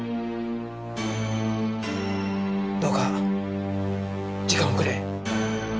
どうか時間をくれ。